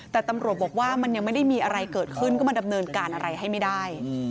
แต่ตำรวจบอกว่ามันยังไม่ได้มีอะไรเกิดขึ้นก็มาดำเนินการอะไรให้ไม่ได้